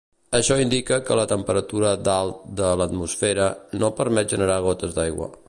Això indica que la temperatura dalt de l'atmosfera, no permet generar gotes d'aigua.